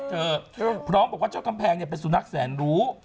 เพราะว่าว่าเจ้ากำแพงเป็นสุนัขแสนหรู